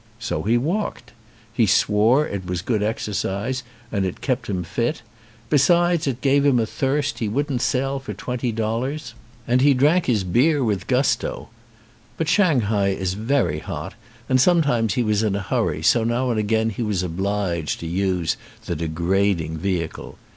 So he walked. He swore it was good exercise and it kept him fit; besides, it gave him a thirst he wouldn't sell for twenty dollars, and he drank his 67 ON A CHINESE SCREEN beer with gusto. But Shanghai is very hot and sometimes he was in a hurry so now and again he was obliged to use the degrading vehicle.